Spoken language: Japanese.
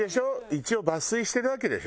一応抜粋してるわけでしょ？